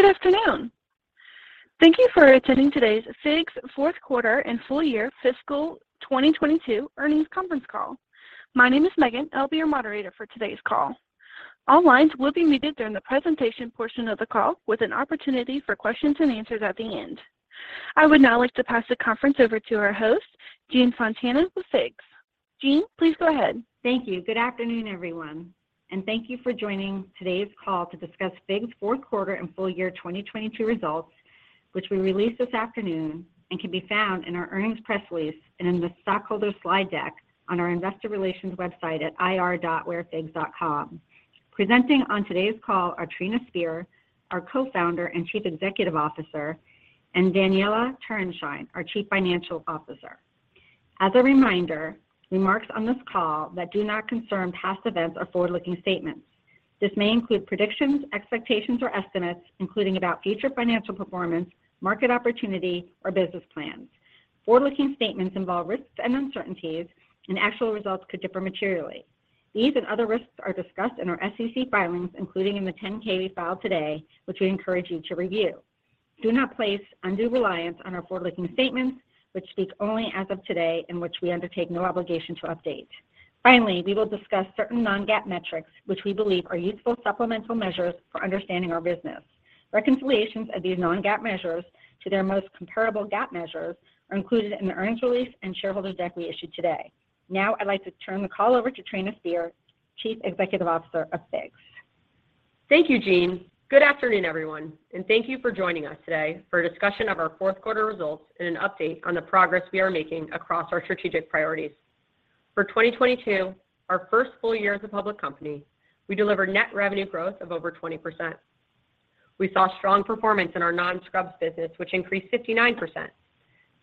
Good afternoon. Thank you for attending today's FIGS fourth quarter and full year fiscal 2022 earnings conference call. My name is Megan. I'll be your moderator for today's call. All lines will be muted during the presentation portion of the call with an opportunity for questions and answers at the end. I would now like to pass the conference over to our host, Jean Fontana with FIGS. Jean, please go ahead. Thank you. Good afternoon, everyone, thank you for joining today's call to discuss FIGS fourth quarter and full year 2022 results, which we released this afternoon and can be found in our earnings press release and in the stockholder slide deck on our investor relations website at ir.wearfigs.com. Presenting on today's call are Trina Spear, our Co-founder and Chief Executive Officer, and Daniella Turenshine, our Chief Financial Officer. As a reminder, remarks on this call that do not concern past events are forward-looking statements. This may include predictions, expectations, or estimates, including about future financial performance, market opportunity, or business plans. Forward-looking statements involve risks and uncertainties. Actual results could differ materially. These and other risks are discussed in our SEC filings, including in the 10-K we filed today, which we encourage you to review. Do not place undue reliance on our forward-looking statements, which speak only as of today in which we undertake no obligation to update. Finally, we will discuss certain non-GAAP metrics, which we believe are useful supplemental measures for understanding our business. Reconciliations of these non-GAAP measures to their most comparable GAAP measures are included in the earnings release and shareholders deck we issued today. Now I'd like to turn the call over to Trina Spear, Chief Executive Officer of FIGS. Thank you, Jean. Good afternoon, everyone. Thank you for joining us today for a discussion of our fourth quarter results and an update on the progress we are making across our strategic priorities. For 2022, our first full year as a public company, we delivered net revenue growth of over 20%. We saw strong performance in our non-scrubs business, which increased 59%.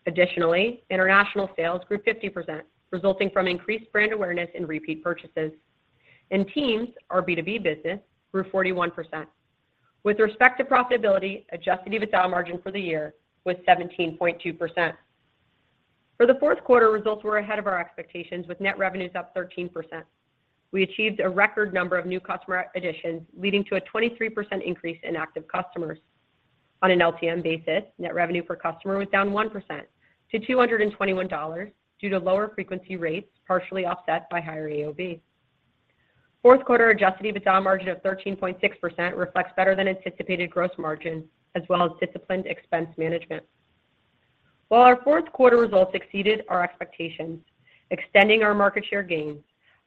Additionally, international sales grew 50%, resulting from increased brand awareness and repeat purchases. Teams, our B2B business, grew 41%. With respect to profitability, Adjusted EBITDA margin for the year was 17.2%. For the fourth quarter, results were ahead of our expectations with net revenues up 13%. We achieved a record number of new customer additions, leading to a 23% increase in active customers. On an LTM basis, net revenue per customer was down 1% to $221 due to lower frequency rates, partially offset by higher AOV. Fourth quarter Adjusted EBITDA margin of 13.6% reflects better than anticipated gross margin, as well as disciplined expense management. While our fourth quarter results exceeded our expectations, extending our market share gains,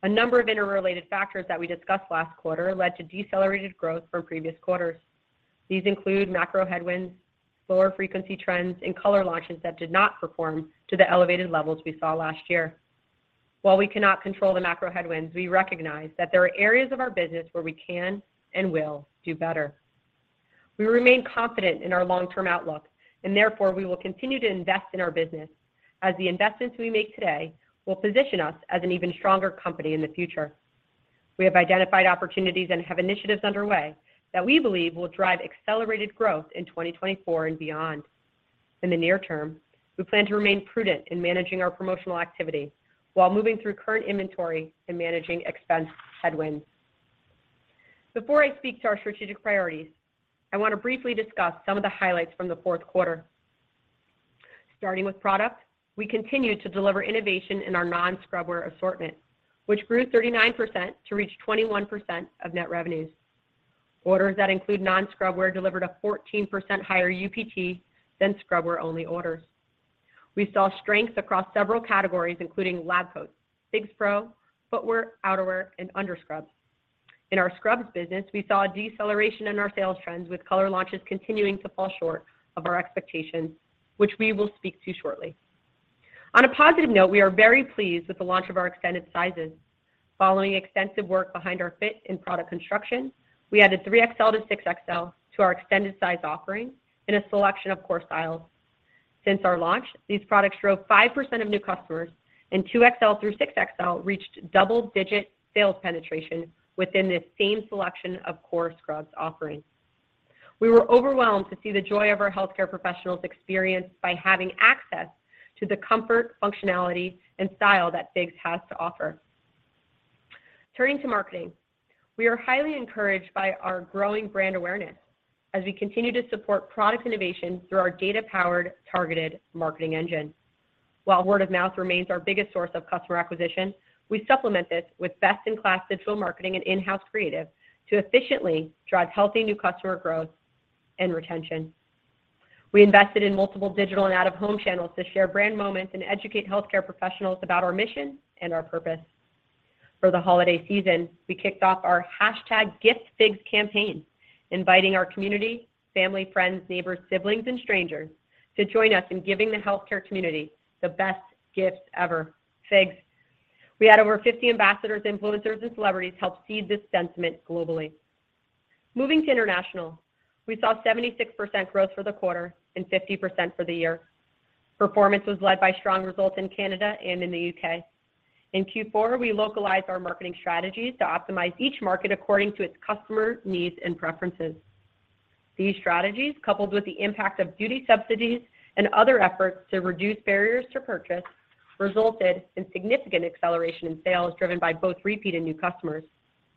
a number of interrelated factors that we discussed last quarter led to decelerated growth from previous quarters. These include macro headwinds, lower frequency trends, and color launches that did not perform to the elevated levels we saw last year. While we cannot control the macro headwinds, we recognize that there are areas of our business where we can and will do better. We remain confident in our long-term outlook, and therefore, we will continue to invest in our business as the investments we make today will position us as an even stronger company in the future. We have identified opportunities and have initiatives underway that we believe will drive accelerated growth in 2024 and beyond. In the near term, we plan to remain prudent in managing our promotional activity while moving through current inventory and managing expense headwinds. Before I speak to our strategic priorities, I want to briefly discuss some of the highlights from the fourth quarter. Starting with product, we continued to deliver innovation in our non-scrub wear assortment, which grew 39% to reach 21% of net revenues. Orders that include non-scrub wear delivered a 14% higher UPT than scrub wear only orders. We saw strength across several categories, including lab coats, FIGSPRO, footwear, outerwear, and underscrubs. In our scrubs business, we saw a deceleration in our sales trends with color launches continuing to fall short of our expectations, which we will speak to shortly. On a positive note, we are very pleased with the launch of our extended sizes. Following extensive work behind our fit and product construction, we added 3XL to 6XL to our extended size offering in a selection of core styles. Since our launch, these products drove 5% of new customers and 2XL through 6XL reached double-digit sales penetration within the same selection of core scrubs offerings. We were overwhelmed to see the joy of our healthcare professionals experience by having access to the comfort, functionality, and style that FIGS has to offer. Turning to marketing, we are highly encouraged by our growing brand awareness as we continue to support product innovation through our data powered, targeted marketing engine. While word of mouth remains our biggest source of customer acquisition, we supplement this with best in class digital marketing and in-house creative to efficiently drive healthy new customer growth and retention. We invested in multiple digital and out of home channels to share brand moments and educate healthcare professionals about our mission and our purpose. For the holiday season, we kicked off our hashtag GiftFIGS campaign, inviting our community, family, friends, neighbors, siblings, and strangers to join us in giving the healthcare community the best gifts ever, FIGS. We had over 50 ambassadors, influencers, and celebrities help seed this sentiment globally. Moving to international, we saw 76% growth for the quarter and 50% for the year. Performance was led by strong results in Canada and in the U.K. In Q4, we localized our marketing strategies to optimize each market according to its customer needs and preferences. These strategies, coupled with the impact of duty subsidies and other efforts to reduce barriers to purchase resulted in significant acceleration in sales driven by both repeat and new customers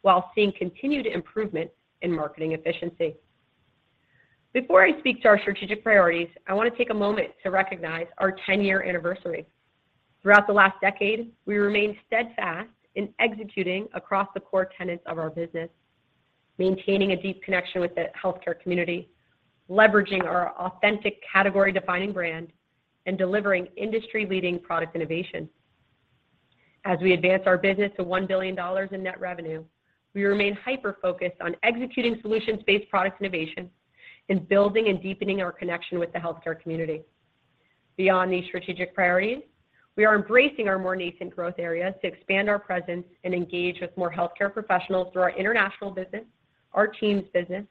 while seeing continued improvement in marketing efficiency. Before I speak to our strategic priorities, I wanna take a moment to recognize our 10-year anniversary. Throughout the last decade, we remained steadfast in executing across the core tenets of our business, maintaining a deep connection with the healthcare community, leveraging our authentic category-defining brand, and delivering industry-leading product innovation. As we advance our business to $1 billion in net revenue, we remain hyper-focused on executing solutions-based product innovation and building and deepening our connection with the healthcare community. Beyond these strategic priorities, we are embracing our more nascent growth areas to expand our presence and engage with more healthcare professionals through our international business, our teams business,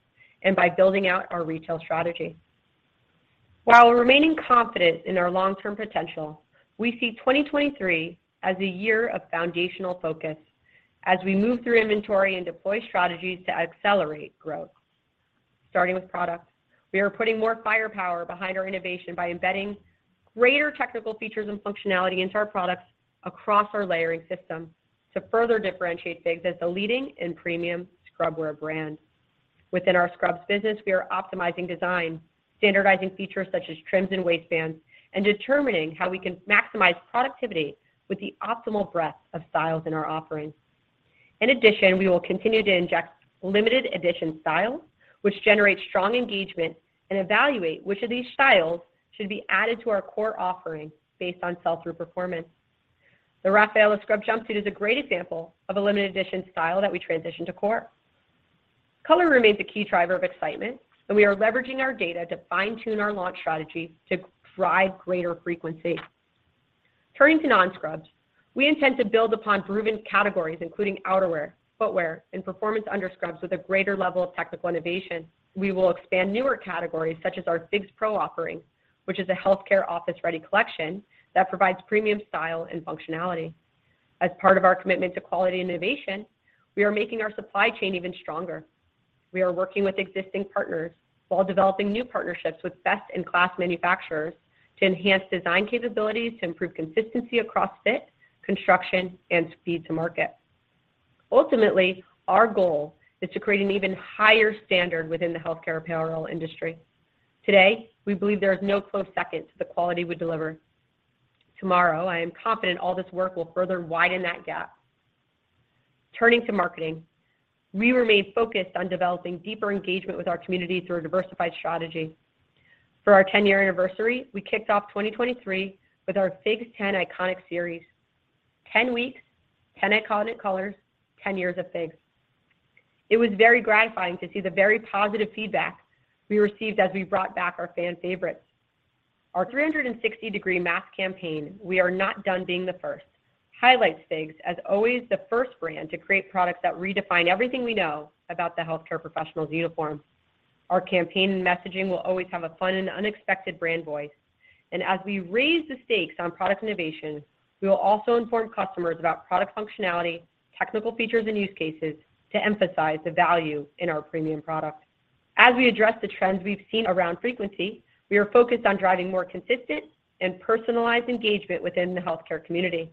and by building out our retail strategy. While remaining confident in our long-term potential, we see 2023 as a year of foundational focus as we move through inventory and deploy strategies to accelerate growth. Starting with products, we are putting more firepower behind our innovation by embedding greater technical features and functionality into our products across our layering system to further differentiate FIGS as a leading and premium scrub wear brand. Within our scrubs business, we are optimizing design, standardizing features such as trims and waistbands, and determining how we can maximize productivity with the optimal breadth of styles in our offerings. In addition, we will continue to inject limited edition styles which generate strong engagement and evaluate which of these styles should be added to our core offering based on sell-through performance. The Rafaela scrub jumpsuit is a great example of a limited edition style that we transitioned to core. Color remains a key driver of excitement, and we are leveraging our data to fine-tune our launch strategy to drive greater frequency. Turning to non-scrubs, we intend to build upon proven categories including outerwear, footwear, and performance under scrubs with a greater level of technical innovation. We will expand newer categories such as our FIGSPRO offering, which is a healthcare office-ready collection that provides premium style and functionality. As part of our commitment to quality innovation, we are making our supply chain even stronger. We are working with existing partners while developing new partnerships with best in class manufacturers to enhance design capabilities to improve consistency across fit, construction, and speed to market. Ultimately, our goal is to create an even higher standard within the healthcare apparel industry. Today, we believe there is no close second to the quality we deliver. Tomorrow, I am confident all this work will further widen that gap. Turning to marketing, we remain focused on developing deeper engagement with our community through a diversified strategy. For our 10-year anniversary, we kicked off 2023 with our FIGS10: Iconic Series. 10 weeks, 10 iconic colors, 10 years of FIGS. It was very gratifying to see the very positive feedback we received as we brought back our fan favorites. Our 360 degree mask campaign, We Are Not Done Being the First, highlights FIGS as always the first brand to create products that redefine everything we know about the healthcare professional's uniform. Our campaign messaging will always have a fun and unexpected brand voice, and as we raise the stakes on product innovation, we will also inform customers about product functionality, technical features, and use cases to emphasize the value in our premium product. As we address the trends we've seen around frequency, we are focused on driving more consistent and personalized engagement within the healthcare community.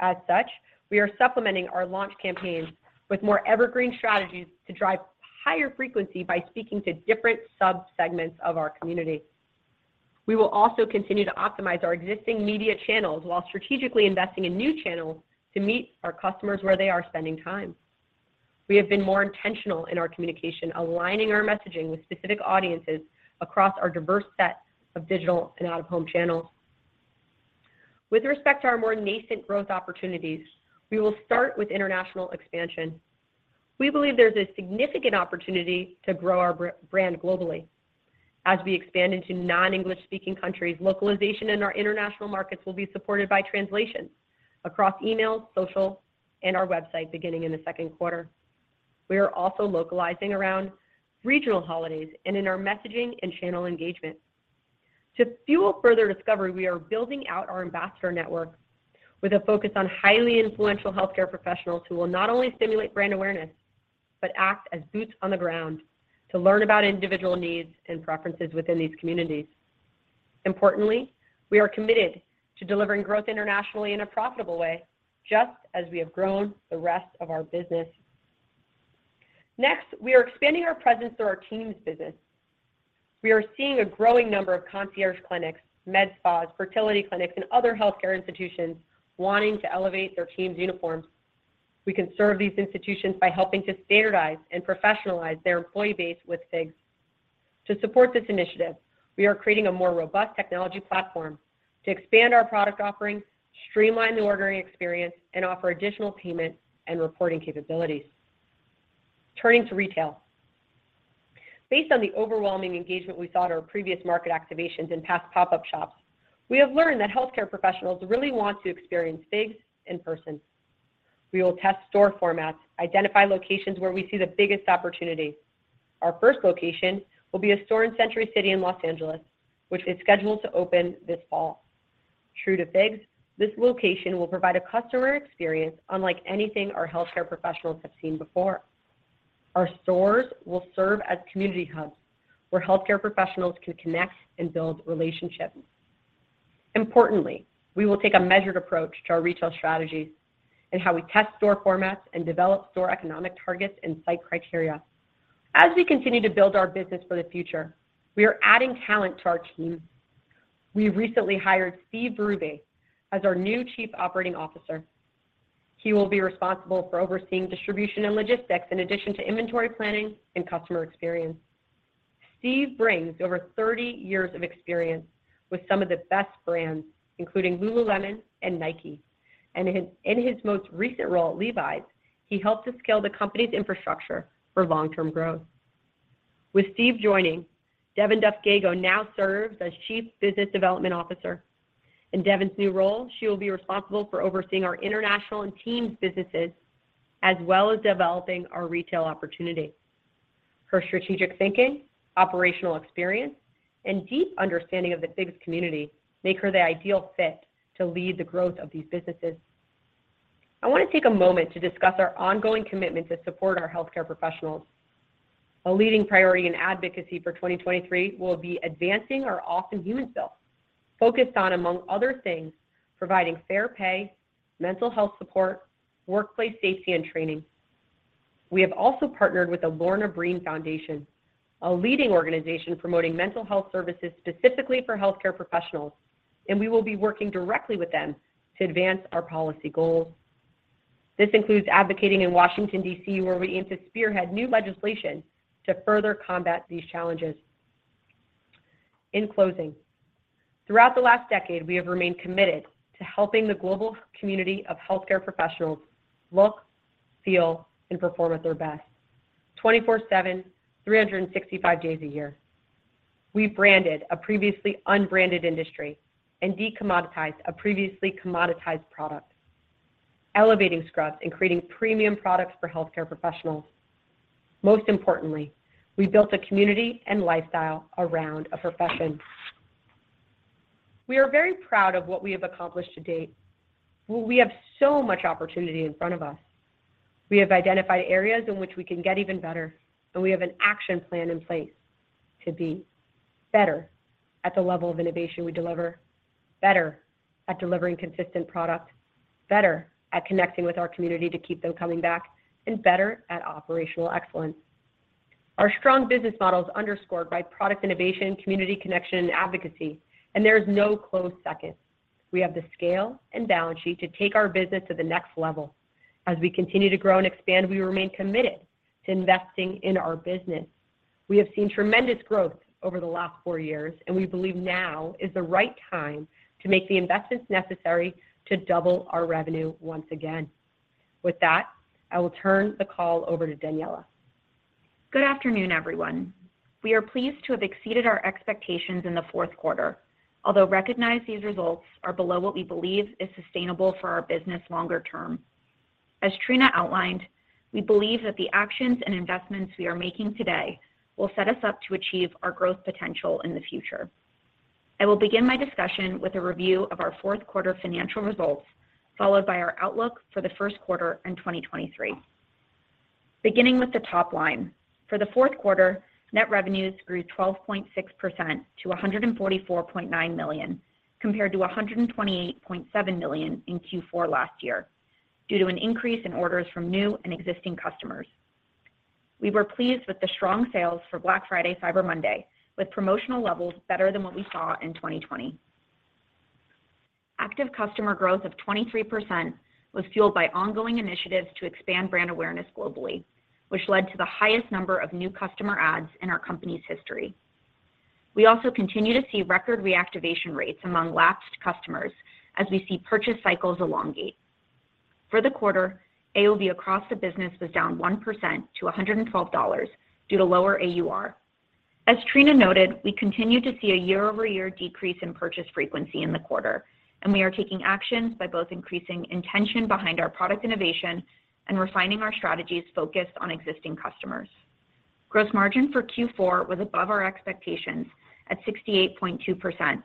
As such, we are supplementing our launch campaigns with more evergreen strategies to drive higher frequency by speaking to different subsegments of our community. We will also continue to optimize our existing media channels while strategically investing in new channels to meet our customers where they are spending time. We have been more intentional in our communication, aligning our messaging with specific audiences across our diverse set of digital and out of home channels. With respect to our more nascent growth opportunities, we will start with international expansion. We believe there's a significant opportunity to grow our brand globally. As we expand into non-English speaking countries, localization in our international markets will be supported by translation across emails, social, and our website beginning in the second quarter. We are also localizing around regional holidays and in our messaging and channel engagement. To fuel further discovery, we are building out our ambassador network with a focus on highly influential healthcare professionals who will not only stimulate brand awareness, but act as boots on the ground to learn about individual needs and preferences within these communities. We are committed to delivering growth internationally in a profitable way, just as we have grown the rest of our business. We are expanding our presence through our teams business. We are seeing a growing number of concierge clinics, med spas, fertility clinics, and other healthcare institutions wanting to elevate their teams uniforms. We can serve these institutions by helping to standardize and professionalize their employee base with FIGS. To support this initiative, we are creating a more robust technology platform to expand our product offerings, streamline the ordering experience, and offer additional payment and reporting capabilities. Turning to retail. Based on the overwhelming engagement we saw at our previous market activations and past pop-up shops, we have learned that healthcare professionals really want to experience FIGS in person. We will test store formats. Identify locations where we see the biggest opportunity. Our first location will be a store in Century City in Los Angeles, which is scheduled to open this fall. True to FIGS, this location will provide a customer experience unlike anything our healthcare professionals have seen before. Our stores will serve as community hubs where healthcare professionals can connect and build relationships. Importantly, we will take a measured approach to our retail strategies and how we test store formats and develop store economic targets and site criteria. As we continue to build our business for the future, we are adding talent to our teams. We recently hired Steve Berube as our new Chief Operating Officer. He will be responsible for overseeing distribution and logistics in addition to inventory planning and customer experience. Steve brings over 30 years of experience with some of the best brands, including Lululemon and Nike. In his most recent role at Levi's, he helped to scale the company's infrastructure for long-term growth. With Steve joining, Devon Duff Gago now serves as Chief Business Development Officer. In Devon's new role, she will be responsible for overseeing our international and teams businesses as well as developing our retail opportunities. Her strategic thinking, operational experience, and deep understanding of the FIGS community make her the ideal fit to lead the growth of these businesses. I wanna take a moment to discuss our ongoing commitment to support our healthcare professionals. A leading priority in advocacy for 2023 will be advancing our awesome human bill, focused on, among other things, providing fair pay, mental health support, workplace safety and training. We have also partnered with the Lorna Breen Foundation, a leading organization promoting mental health services specifically for healthcare professionals, and we will be working directly with them to advance our policy goals. This includes advocating in Washington, D.C., where we aim to spearhead new legislation to further combat these challenges. In closing, throughout the last decade, we have remained committed to helping the global community of healthcare professionals look, feel, and perform at their best, 24/7, 365 days a year. We branded a previously unbranded industry and decommoditized a previously commoditized product, elevating scrubs and creating premium products for healthcare professionals. Most importantly, we built a community and lifestyle around a profession. We are very proud of what we have accomplished to date. We have so much opportunity in front of us. We have identified areas in which we can get even better, and we have an action plan in place to be better at the level of innovation we deliver, better at delivering consistent product, better at connecting with our community to keep them coming back, and better at operational excellence. Our strong business model is underscored by product innovation, community connection, and advocacy, and there is no close second. We have the scale and balance sheet to take our business to the next level. As we continue to grow and expand, we remain committed to investing in our business. We have seen tremendous growth over the last 4 years, and we believe now is the right time to make the investments necessary to double our revenue once again. With that, I will turn the call over to Daniella. Good afternoon, everyone. We are pleased to have exceeded our expectations in the fourth quarter, although recognize these results are below what we believe is sustainable for our business longer term. As Trina outlined, we believe that the actions and investments we are making today will set us up to achieve our growth potential in the future. I will begin my discussion with a review of our fourth quarter financial results, followed by our outlook for the first quarter in 2023. Beginning with the top line, for the fourth quarter, net revenues grew 12.6% to $144.9 million, compared to $128.7 million in Q4 last year due to an increase in orders from new and existing customers. We were pleased with the strong sales for Black Friday/Cyber Monday, with promotional levels better than what we saw in 2020. Active customer growth of 23% was fueled by ongoing initiatives to expand brand awareness globally, which led to the highest number of new customer adds in our company's history. We also continue to see record reactivation rates among lapsed customers as we see purchase cycles elongate. For the quarter, AOV across the business was down 1% to $112 due to lower AUR. As Trina noted, we continue to see a year-over-year decrease in purchase frequency in the quarter, we are taking actions by both increasing intention behind our product innovation and refining our strategies focused on existing customers. Gross margin for Q4 was above our expectations at 68.2%,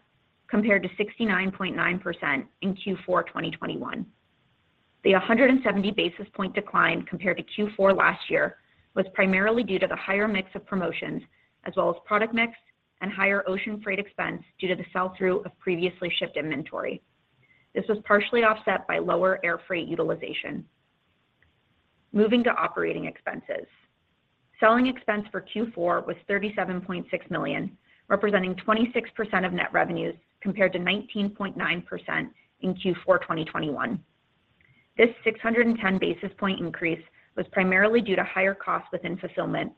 compared to 69.9% in Q4 2021. The 170 basis point decline compared to Q4 last year was primarily due to the higher mix of promotions as well as product mix and higher ocean freight expense due to the sell-through of previously shipped inventory. This was partially offset by lower air freight utilization. Moving to operating expenses. Selling expense for Q4 was $37.6 million, representing 26% of net revenues, compared to 19.9% in Q4 2021. This 610 basis point increase was primarily due to higher costs within fulfillment,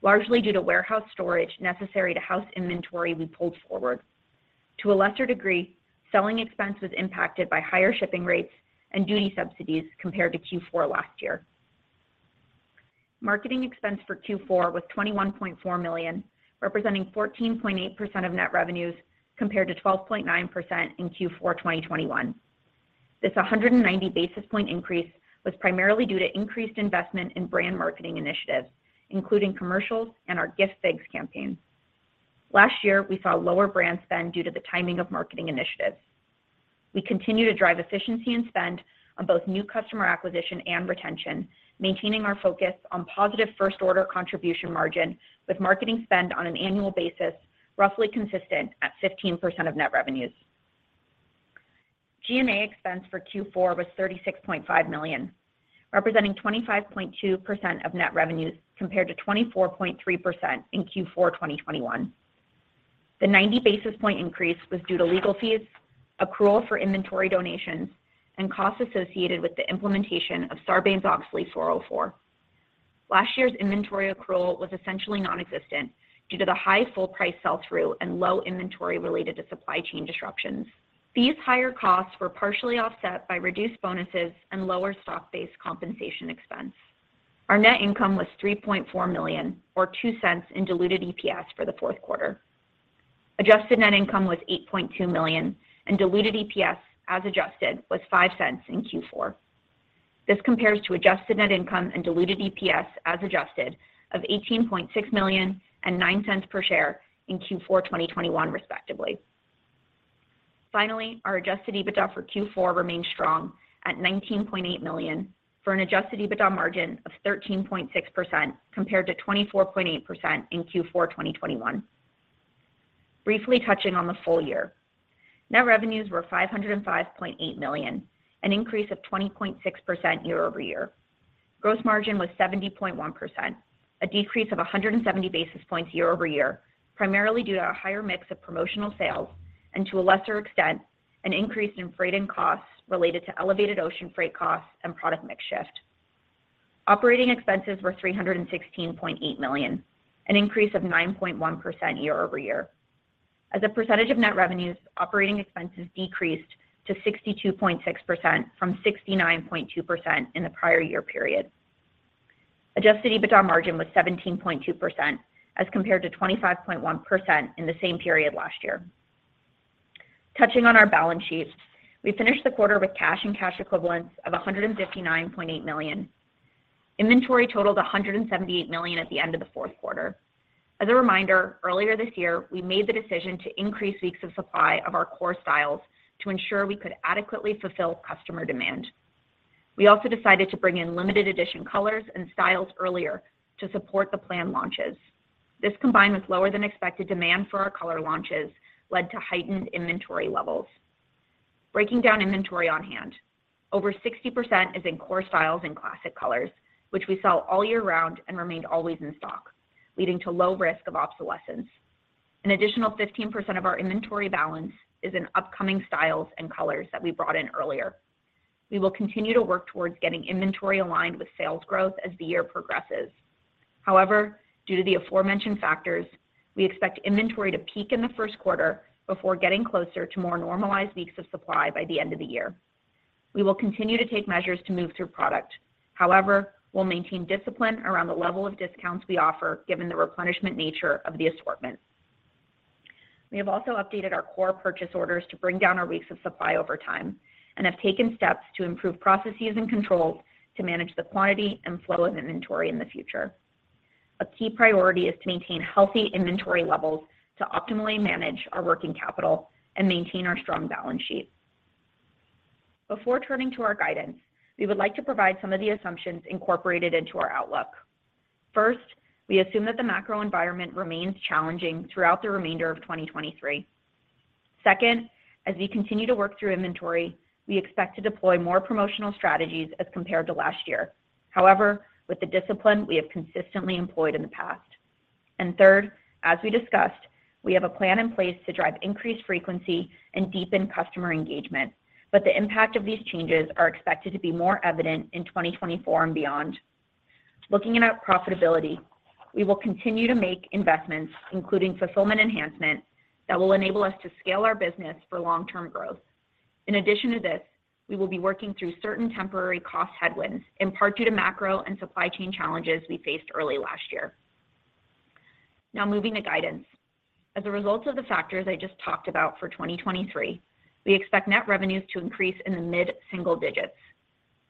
largely due to warehouse storage necessary to house inventory we pulled forward. To a lesser degree, selling expense was impacted by higher shipping rates and duty subsidies compared to Q4 last year. Marketing expense for Q4 was $21.4 million, representing 14.8% of net revenues, compared to 12.9% in Q4 2021. This 190 basis point increase was primarily due to increased investment in brand marketing initiatives, including commercials and our Gift FIGS campaign. Last year, we saw lower brand spend due to the timing of marketing initiatives. We continue to drive efficiency and spend on both new customer acquisition and retention, maintaining our focus on positive first order contribution margin with marketing spend on an annual basis, roughly consistent at 15% of net revenues. G&A expense for Q4 was $36.5 million, representing 25.2% of net revenues compared to 24.3% in Q4 2021. The 90 basis point increase was due to legal fees, accrual for inventory donations, and costs associated with the implementation of Sarbanes-Oxley Section 404. Last year's inventory accrual was essentially nonexistent due to the high full price sell-through and low inventory related to supply chain disruptions. These higher costs were partially offset by reduced bonuses and lower stock-based compensation expense. Our net income was $3.4 million, or $0.02 in diluted EPS for the fourth quarter. Adjusted net income was $8.2 million and diluted EPS as adjusted was $0.05 in Q4. This compares to adjusted net income and diluted EPS as adjusted of $18.6 million and $0.09 per share in Q4 2021, respectively. Finally, our Adjusted EBITDA for Q4 remained strong at $19.8 million for an Adjusted EBITDA margin of 13.6% compared to 24.8% in Q4 2021. Briefly touching on the full year. Net revenues were $505.8 million, an increase of 20.6% year-over-year. Gross margin was 70.1%, a decrease of 170 basis points year-over-year, primarily due to a higher mix of promotional sales and to a lesser extent, an increase in freight and costs related to elevated ocean freight costs and product mix shift. Operating expenses were $316.8 million, an increase of 9.1% year-over-year. As a percentage of net revenues, operating expenses decreased to 62.6% from 69.2% in the prior year period. Adjusted EBITDA margin was 17.2% as compared to 25.1% in the same period last year. Touching on our balance sheet, we finished the quarter with cash and cash equivalents of $159.8 million. Inventory totaled $178 million at the end of the fourth quarter. As a reminder, earlier this year, we made the decision to increase weeks of supply of our core styles to ensure we could adequately fulfill customer demand. We also decided to bring in limited edition colors and styles earlier to support the planned launches. This, combined with lower than expected demand for our color launches, led to heightened inventory levels. Breaking down inventory on hand, over 60% is in core styles and classic colors, which we sell all year round and remained always in stock, leading to low risk of obsolescence. An additional 15% of our inventory balance is in upcoming styles and colors that we brought in earlier. We will continue to work towards getting inventory aligned with sales growth as the year progresses. However, due to the aforementioned factors, we expect inventory to peak in the first quarter before getting closer to more normalized weeks of supply by the end of the year. We will continue to take measures to move through product. However, we'll maintain discipline around the level of discounts we offer, given the replenishment nature of the assortment. We have also updated our core purchase orders to bring down our weeks of supply over time and have taken steps to improve processes and controls to manage the quantity and flow of inventory in the future. A key priority is to maintain healthy inventory levels to optimally manage our working capital and maintain our strong balance sheet. Before turning to our guidance, we would like to provide some of the assumptions incorporated into our outlook. First, we assume that the macro environment remains challenging throughout the remainder of 2023. Second, as we continue to work through inventory, we expect to deploy more promotional strategies as compared to last year. However, with the discipline we have consistently employed in the past. Third, as we discussed, we have a plan in place to drive increased frequency and deepen customer engagement, but the impact of these changes are expected to be more evident in 2024 and beyond. Looking at profitability, we will continue to make investments, including fulfillment enhancements that will enable us to scale our business for long-term growth. In addition to this, we will be working through certain temporary cost headwinds, in part due to macro and supply chain challenges we faced early last year. Moving to guidance. As a result of the factors I just talked about for 2023, we expect net revenues to increase in the mid-single digits.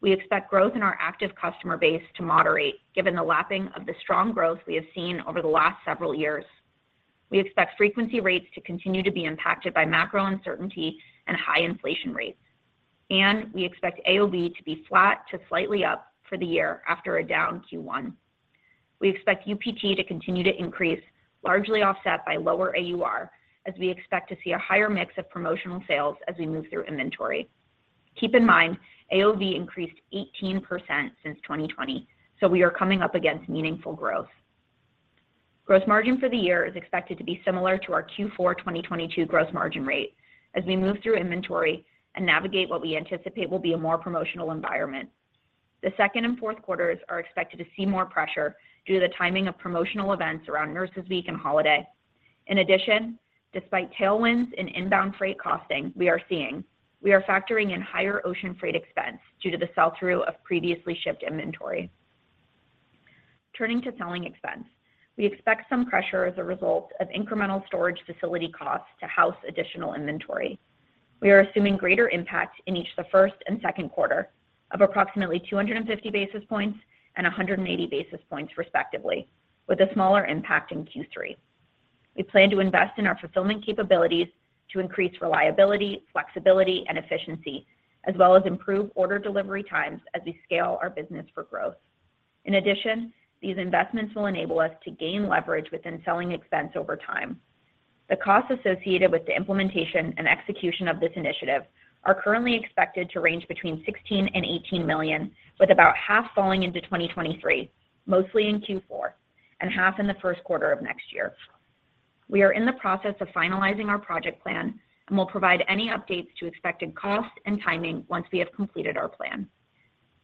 We expect growth in our active customer base to moderate, given the lapping of the strong growth we have seen over the last several years. We expect frequency rates to continue to be impacted by macro uncertainty and high inflation rates, and we expect AOV to be flat to slightly up for the year after a down Q1. We expect UPT to continue to increase, largely offset by lower AUR, as we expect to see a higher mix of promotional sales as we move through inventory. Keep in mind, AOV increased 18% since 2020, so we are coming up against meaningful growth. Gross margin for the year is expected to be similar to our Q4 2022 gross margin rate as we move through inventory and navigate what we anticipate will be a more promotional environment. The second and fourth quarters are expected to see more pressure due to the timing of promotional events around Nurses Week and holiday. Despite tailwinds in inbound freight costing we are seeing, we are factoring in higher ocean freight expense due to the sell-through of previously shipped inventory. Turning to selling expense, we expect some pressure as a result of incremental storage facility costs to house additional inventory. We are assuming greater impact in each the first and second quarter of approximately 250 basis points and 180 basis points, respectively, with a smaller impact in Q3. We plan to invest in our fulfillment capabilities to increase reliability, flexibility, and efficiency, as well as improve order delivery times as we scale our business for growth. These investments will enable us to gain leverage within selling expense over time. The costs associated with the implementation and execution of this initiative are currently expected to range between $16 million and $18 million, with about half falling into 2023, mostly in Q4, and half in the first quarter of next year. We are in the process of finalizing our project plan, and we'll provide any updates to expected cost and timing once we have completed our plan.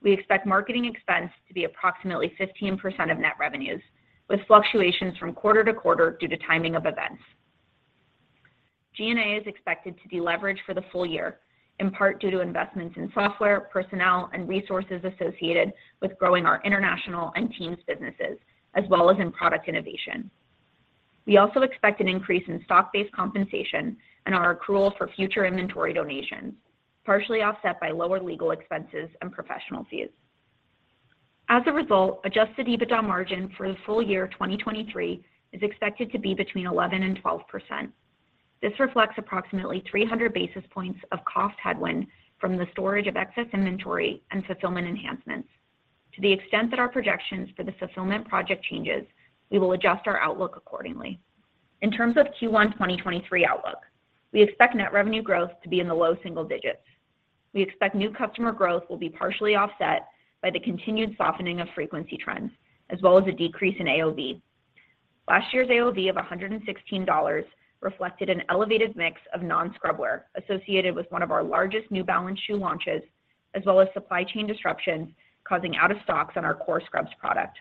We expect marketing expense to be approximately 15% of net revenues, with fluctuations from quarter to quarter due to timing of events. G&A is expected to deleverage for the full year, in part due to investments in software, personnel, and resources associated with growing our international and teams businesses, as well as in product innovation. We also expect an increase in stock-based compensation and our accrual for future inventory donations, partially offset by lower legal expenses and professional fees. As a result, Adjusted EBITDA margin for the full year 2023 is expected to be between 11% and 12%. This reflects approximately 300 basis points of cost headwind from the storage of excess inventory and fulfillment enhancements. To the extent that our projections for the fulfillment project changes, we will adjust our outlook accordingly. In terms of Q1 2023 outlook, we expect net revenue growth to be in the low single digits. We expect new customer growth will be partially offset by the continued softening of frequency trends as well as a decrease in AOV. Last year's AOV of $116 reflected an elevated mix of non-scrub wear associated with one of our largest New Balance shoe launches, as well as supply chain disruptions causing out of stocks on our core scrubs product.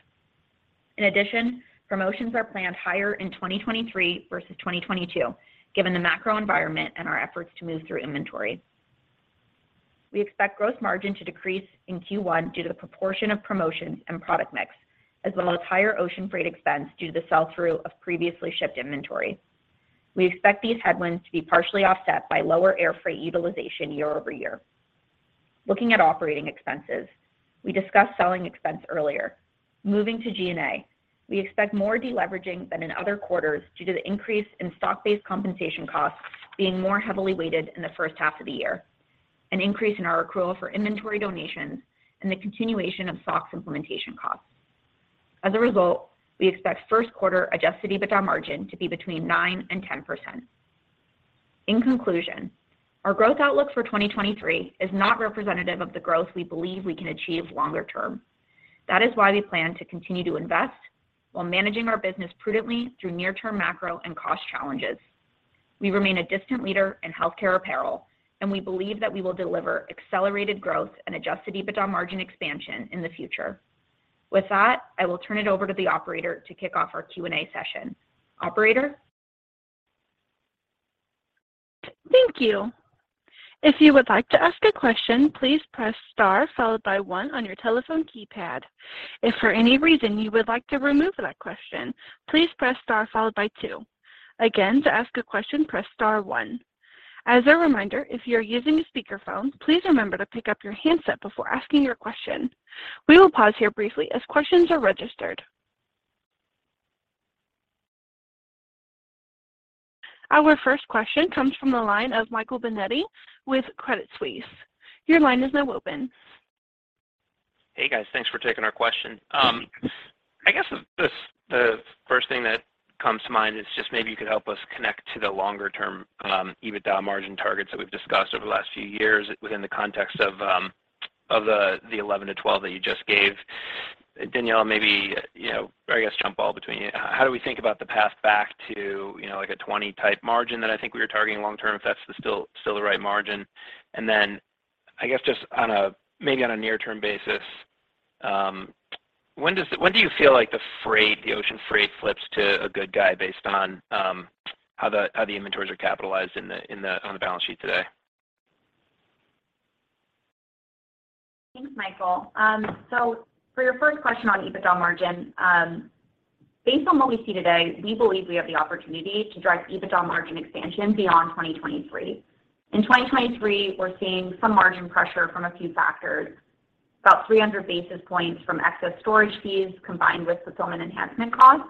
In addition, promotions are planned higher in 2023 versus 2022, given the macro environment and our efforts to move through inventory. We expect gross margin to decrease in Q1 due to the proportion of promotions and product mix, as well as higher ocean freight expense due to the sell-through of previously shipped inventory. We expect these headwinds to be partially offset by lower air freight utilization year-over-year. Looking at operating expenses, we discussed selling expense earlier. Moving to G&A, we expect more deleveraging than in other quarters due to the increase in stock-based compensation costs being more heavily weighted in the first half of the year, an increase in our accrual for inventory donations, and the continuation of SOX implementation costs. As a result, we expect first quarter Adjusted EBITDA margin to be between 9% and 10%. In conclusion, our growth outlook for 2023 is not representative of the growth we believe we can achieve longer term. That is why we plan to continue to invest while managing our business prudently through near-term macro and cost challenges. We remain a distant leader in healthcare apparel, and we believe that we will deliver accelerated growth and Adjusted EBITDA margin expansion in the future. With that, I will turn it over to the operator to kick off our Q&A session. Operator? Thank you. If you would like to ask a question, please press star followed by 1 on your telephone keypad. If for any reason you would like to remove that question, please press star followed by 2. Again, to ask a question, press star 1. As a reminder, if you are using a speakerphone, please remember to pick up your handset before asking your question. We will pause here briefly as questions are registered. Our first question comes from the line of Michael Binetti with Credit Suisse. Your line is now open. Hey, guys. Thanks for taking our question. I guess the first thing that comes to mind is just maybe you could help us connect to the longer term EBITDA margin targets that we've discussed over the last few years within the context of the 11%-12% that you just gave. Daniella, maybe, you know, or I guess jump all between you. How do we think about the path back to, you know, like, a 20% type margin that I think we were targeting long term, if that's still the right margin? I guess just on a maybe on a near-term basis, when do you feel like the freight, the ocean freight flips to a good guy based on how the inventories are capitalized on the balance sheet today? Thanks, Michael. For your first question on EBITDA margin, based on what we see today, we believe we have the opportunity to drive EBITDA margin expansion beyond 2023. In 2023, we're seeing some margin pressure from a few factors, about 300 basis points from excess storage fees combined with fulfillment enhancement costs.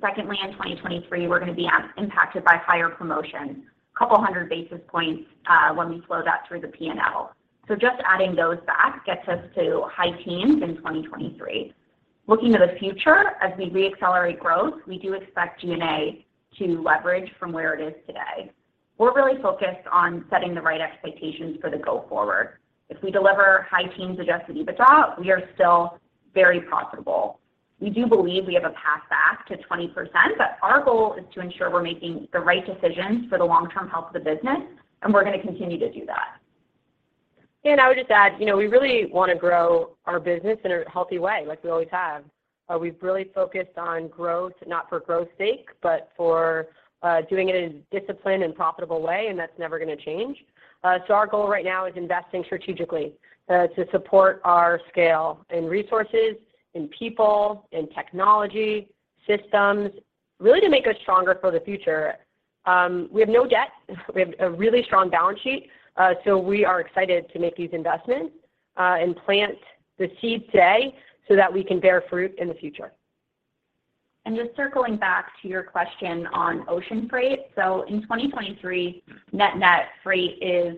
Secondly, in 2023, we're gonna be impacted by higher promotions, 200 basis points, when we flow that through the P&L. Just adding those back gets us to high teens in 2023. Looking to the future, as we re-accelerate growth, we do expect G&A to leverage from where it is today. We're really focused on setting the right expectations for the go forward. If we deliver high teens Adjusted EBITDA, we are still very profitable. We do believe we have a path back to 20%, but our goal is to ensure we're making the right decisions for the long-term health of the business, and we're gonna continue to do that. Yeah, I would just add, you know, we really wanna grow our business in a healthy way like we always have. We've really focused on growth, not for growth sake, but for doing it in a disciplined and profitable way, that's never gonna change. Our goal right now is investing strategically to support our scale in resources, in people, in technology, systems, really to make us stronger for the future. We have no debt. We have a really strong balance sheet. We are excited to make these investments, plant the seed today so that we can bear fruit in the future. Just circling back to your question on ocean freight. In 2023, net net freight is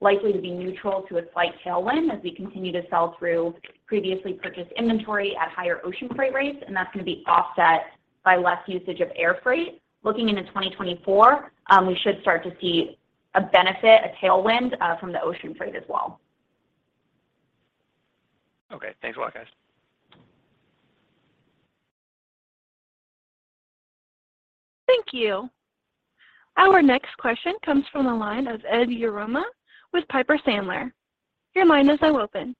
likely to be neutral to a slight tailwind as we continue to sell through previously purchased inventory at higher ocean freight rates, and that's gonna be offset by less usage of air freight. Looking into 2024, we should start to see a benefit, a tailwind from the ocean freight as well. Okay. Thanks a lot, guys. Thank you. Our next question comes from the line of Edward Yruma with Piper Sandler. Your line is now open.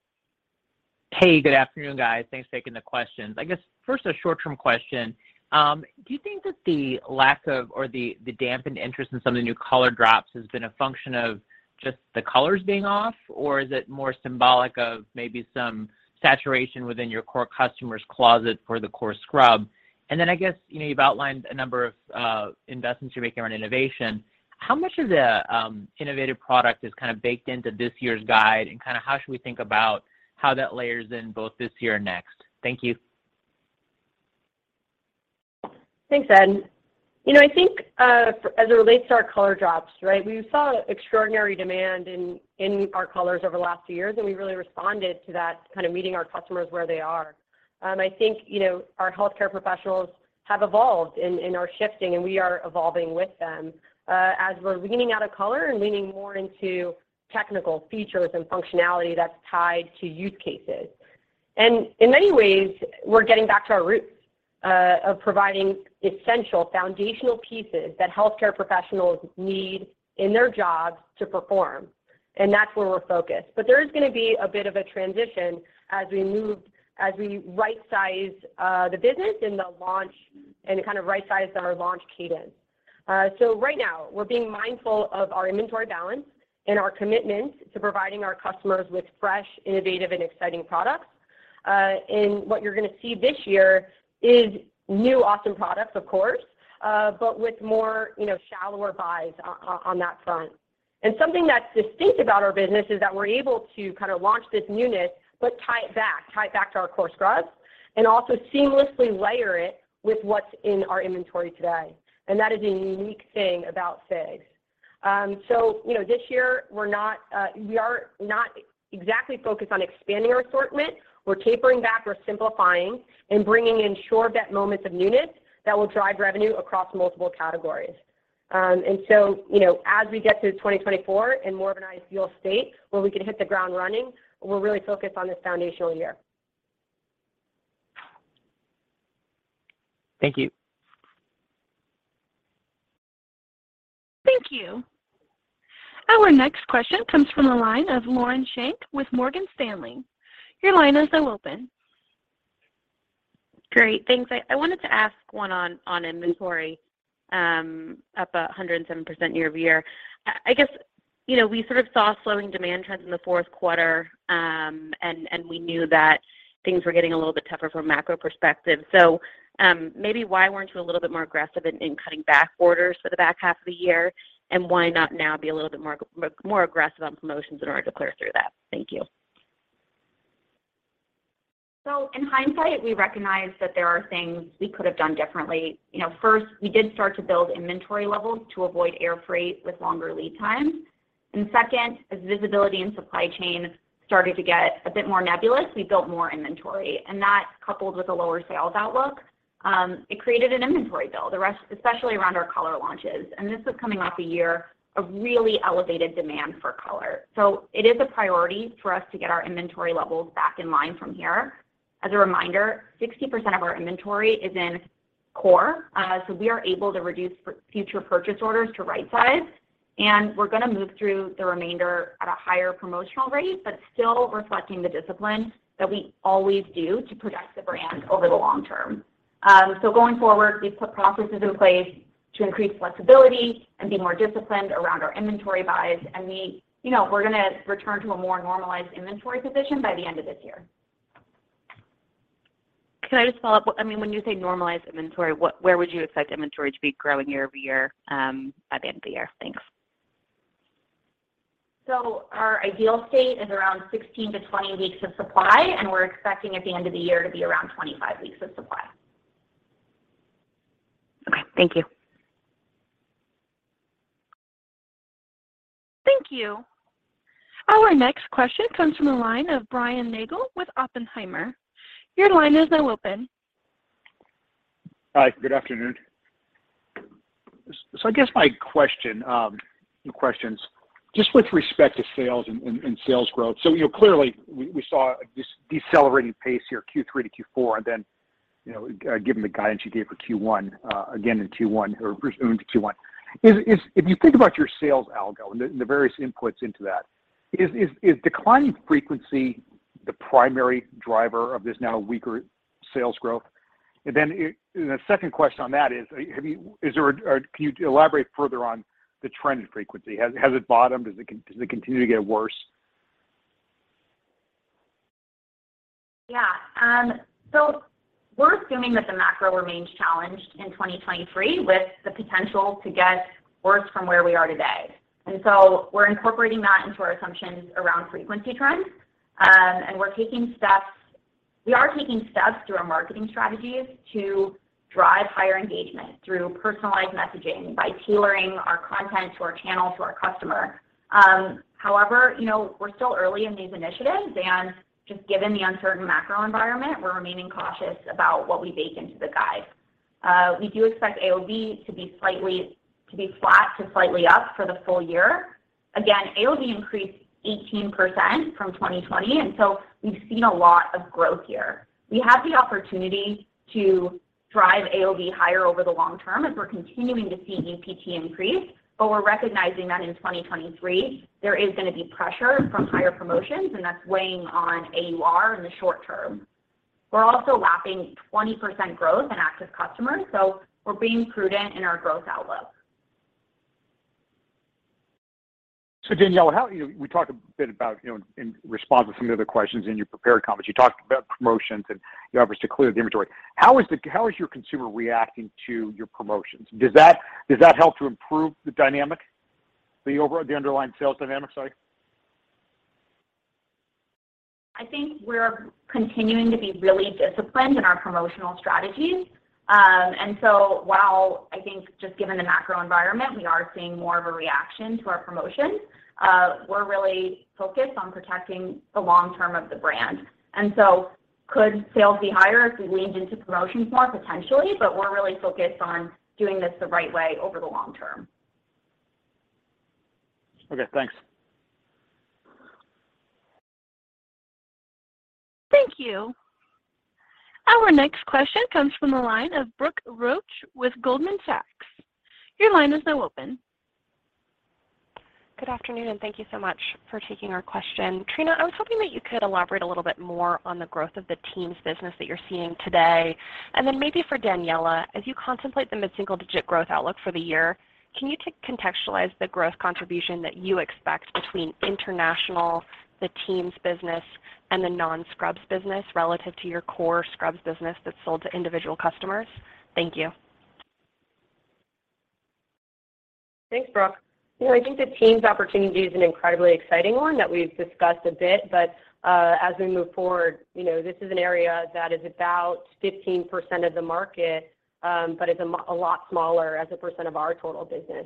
Hey, good afternoon, guys. Thanks for taking the questions. I guess, first, a short-term question. Do you think that the lack of or the dampened interest in some of the new color drops has been a function of just the colors being off, or is it more symbolic of maybe some saturation within your core customer's closet for the core scrub? I guess, you know, you've outlined a number of investments you're making around innovation. How much of the innovative product is kinda baked into this year's guide, and kinda how should we think about how that layers in both this year and next? Thank you. Thanks, Ed. You know, I think, as it relates to our color drops, right? We saw extraordinary demand in our colors over the last few years, and we really responded to that, kind of meeting our customers where they are. I think, you know, our healthcare professionals have evolved and are shifting, and we are evolving with them, as we're leaning out of color and leaning more into technical features and functionality that's tied to use cases. In many ways, we're getting back to our roots, of providing essential foundational pieces that healthcare professionals need in their jobs to perform, and that's where we're focused. There is gonna be a bit of a transition as we right-size the business and the launch, and kind of right-size our launch cadence. Right now, we're being mindful of our inventory balance and our commitment to providing our customers with fresh, innovative, and exciting products. What you're gonna see this year is new, awesome products, of course, but with more, you know, shallower buys on that front. Something that's distinct about our business is that we're able to kind of launch this newness but tie it back to our core scrubs and also seamlessly layer it with what's in our inventory today, and that is a unique thing about FIGS. You know, this year we are not exactly focused on expanding our assortment. We're tapering back. We're simplifying and bringing in sure bet moments of newness that will drive revenue across multiple categories. You know, as we get to 2024 in more of an ideal state where we can hit the ground running, we're really focused on this foundational year. Thank you. Thank you. Our next question comes from the line of Lauren Schenk with Morgan Stanley. Your line is now open. Great. Thanks. I wanted to ask one on inventory, up 107% year-over-year. I guess, you know, we sort of saw slowing demand trends in the fourth quarter, we knew that things were getting a little bit tougher from a macro perspective. Maybe why weren't you a little bit more aggressive in cutting back orders for the back half of the year, and why not now be a little bit more aggressive on promotions in order to clear through that? Thank you. In hindsight, we recognize that there are things we could have done differently. You know, first, we did start to build inventory levels to avoid air freight with longer lead times. Second, as visibility in supply chain started to get a bit more nebulous, we built more inventory. That, coupled with a lower sales outlook, it created an inventory build, especially around our color launches, and this was coming off a year of really elevated demand for color. It is a priority for us to get our inventory levels back in line from here. As a reminder, 60% of our inventory is in core, so we are able to reduce future purchase orders to right size, and we're gonna move through the remainder at a higher promotional rate but still reflecting the discipline that we always do to protect the brand over the long term. Going forward, we've put processes in place to increase flexibility and be more disciplined around our inventory buys, and we, you know, we're gonna return to a more normalized inventory position by the end of this year. Can I just follow up? I mean, when you say normalized inventory, where would you expect inventory to be growing year-over-year, by the end of the year? Thanks. Our ideal state is around 16-20 weeks of supply, and we're expecting at the end of the year to be around 25 weeks of supply. Okay. Thank you. Thank you. Our next question comes from the line of Brian Nagel with Oppenheimer. Your line is now open. Hi. Good afternoon. I guess my question, questions, just with respect to sales and sales growth. You know, clearly we saw a decelerating pace here, Q3 to Q4. You know, given the guidance you gave for Q1, again in Q1 or presumed Q1. Is if you think about your sales algo and the various inputs into that, is declining frequency the primary driver of this now weaker sales growth? The second question on that is, have you? Is there a? Or can you elaborate further on the trend in frequency? Has it bottomed? Does it continue to get worse? Yeah. We're assuming that the macro remains challenged in 2023 with the potential to get worse from where we are today. We're incorporating that into our assumptions around frequency trends. We are taking steps through our marketing strategies to drive higher engagement through personalized messaging by tailoring our content to our channel, to our customer. However, you know, we're still early in these initiatives. Just given the uncertain macro environment, we're remaining cautious about what we bake into the guide. We do expect AOV to be flat to slightly up for the full year. Again, AOV increased 18% from 2020. We've seen a lot of growth here. We have the opportunity to drive AOV higher over the long term as we're continuing to see UPT increase. We're recognizing that in 2023, there is gonna be pressure from higher promotions. That's weighing on AUR in the short term. We're also lapping 20% growth in active customers. We're being prudent in our growth outlook. Daniella, how we talked a bit about, you know, in response to some of the questions in your prepared comments. You talked about promotions and your efforts to clear the inventory. How is your consumer reacting to your promotions? Does that help to improve the dynamic, the underlying sales dynamic? Sorry. I think we're continuing to be really disciplined in our promotional strategies. While I think just given the macro environment, we are seeing more of a reaction to our promotions, we're really focused on protecting the long term of the brand. Could sales be higher if we leaned into promotions more? Potentially. We're really focused on doing this the right way over the long term. Okay. Thanks. Thank you. Our next question comes from the line of Brooke Roach with Goldman Sachs. Your line is now open. Good afternoon. Thank you so much for taking our question. Trina, I was hoping that you could elaborate a little bit more on the growth of the Teams business that you're seeing today. Then maybe for Daniella, as you contemplate the mid-single digit growth outlook for the year, can you contextualize the growth contribution that you expect between international, the Teams business, and the non-scrubs business relative to your core scrubs business that's sold to individual customers? Thank you. Thanks, Brooke. You know, I think the Teams opportunity is an incredibly exciting one that we've discussed a bit. As we move forward, you know, this is an area that is about 15% of the market, but is a lot smaller as a % of our total business.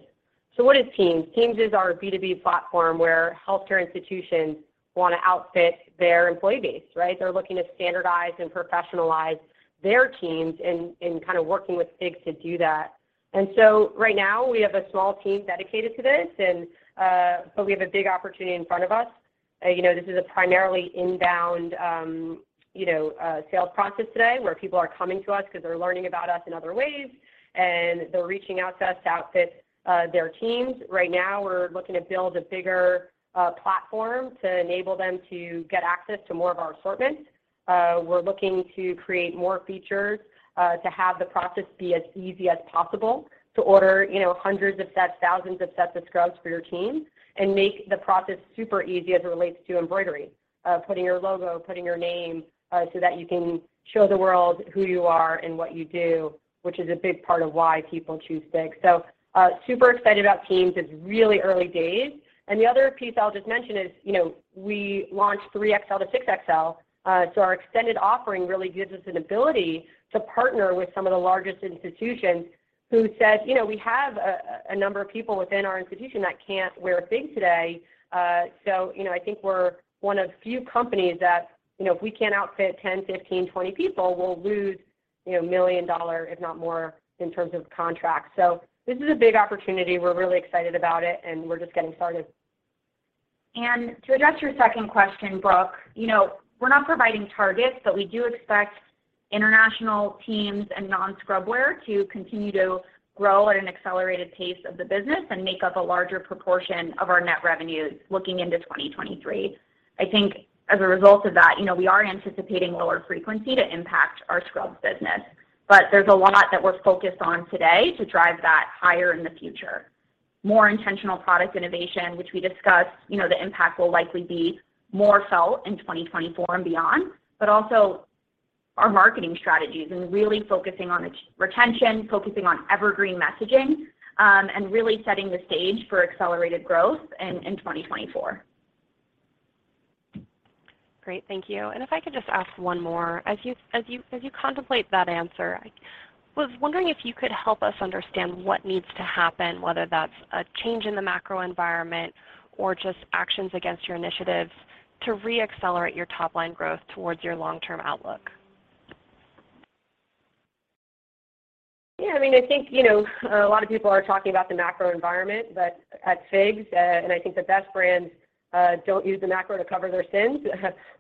What is Teams? Teams is our B2B platform where healthcare institutions wanna outfit their employee base, right? They're looking to standardize and professionalize their teams in kinda working with FIGS to do that. Right now we have a small team dedicated to this. We have a big opportunity in front of us. You know, this is a primarily inbound, you know, sales process today, where people are coming to us 'cause they're learning about us in other ways, and they're reaching out to us to outfit their teams. Right now, we're looking to build a bigger platform to enable them to get access to more of our assortment. We're looking to create more features to have the process be as easy as possible to order, you know, hundreds of sets, thousands of sets of scrubs for your team and make the process super easy as it relates to embroidery, putting your logo, putting your name so that you can show the world who you are and what you do, which is a big part of why people choose FIGS. Super excited about Teams. It's really early days. The other piece I'll just mention is, you know, we launched 3 XL to 6 XL, so our extended offering really gives us an ability to partner with some of the largest institutions who said, "You know, we have a number of people within our institution that can't wear FIGS today." I think we're one of few companies that, you know, if we can't outfit 10, 15, 20 people, we'll lose, you know, $1 million, if not more, in terms of contracts. This is a big opportunity. We're really excited about it, and we're just getting started. To address your second question, Brooke, you know, we're not providing targets, but we do expect international teams and non-scrub wear to continue to grow at an accelerated pace of the business and make up a larger proportion of our net revenues looking into 2023. I think as a result of that, you know, we are anticipating lower frequency to impact our scrubs business. There's a lot that we're focused on today to drive that higher in the future. More intentional product innovation, which we discussed. You know, the impact will likely be more felt in 2024 and beyond. Also our marketing strategies and really focusing on retention, focusing on evergreen messaging, and really setting the stage for accelerated growth in 2024. Great. Thank you. If I could just ask one more. As you contemplate that answer, I was wondering if you could help us understand what needs to happen, whether that's a change in the macro environment or just actions against your initiatives to re-accelerate your top line growth towards your long-term outlook. Yeah. I mean, I think, you know, a lot of people are talking about the macro environment, at FIGS, I think the best brands don't use the macro to cover their sins.